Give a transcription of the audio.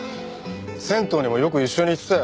銭湯にもよく一緒に行ってたよ。